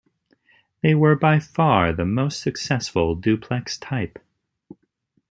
They were by far the most successful duplex type.